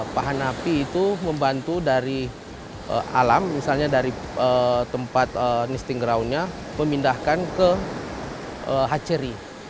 pahan api itu membantu dari alam misalnya dari tempat nisting groundnya memindahkan ke hachery